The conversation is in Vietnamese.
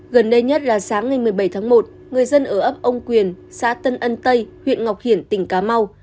gần đây nhất là sáng ngày một mươi bảy tháng một người dân ở ấp âu quyền xã tân ân tây huyện ngọc hiển tỉnh cà mau